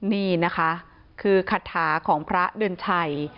นี่นะคะคือคาถาของพระเดือนชัย